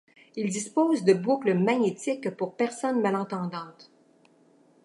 Il dispose de boucles magnétiques pour personnes malentendantes.